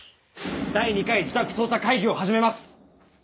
第２回自宅捜査会議を始めます。